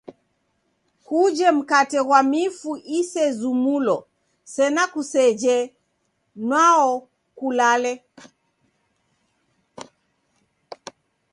Kuje mkate ghwa mifu isezumulo sena kuseje nwao kulale.